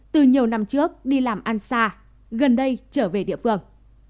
từ nhiều năm trước đi làm ăn xa gần đây trở về địa phương